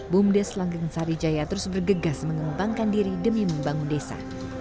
bumdes langgeng sarijaya terus bergegas mengembangkan diri demi membangun desa